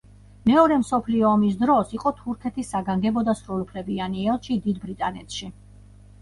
მეორე მსოფლიო ომის დროს იყო თურქეთის საგანგებო და სრულუფლებიანი ელჩი დიდ ბრიტანეთში.